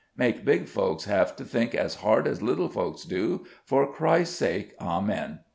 Make big folks have to think as hard as little folks do, for Christ's sake Amen!